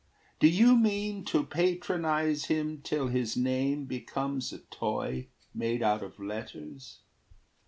Do you mean To patronize him till his name becomes A toy made out of letters?